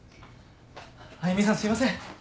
あゆみさんすいません。